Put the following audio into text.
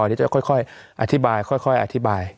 อันนี้จะค่อยอธิบายค่อยอธิบาย